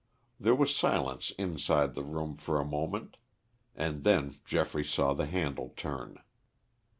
There was silence inside the room for a moment and then Geoffrey saw the handle turn.